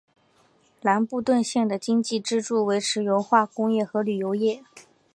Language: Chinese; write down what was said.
兰布顿县的经济支柱为石油化工业和旅游业。